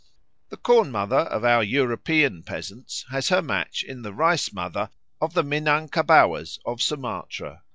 The Corn mother of our European peasants has her match in the Rice mother of the Minangkabauers of Sumatra.